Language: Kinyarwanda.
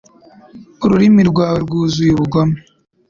Ururimi rwawe rwuzuye ubugome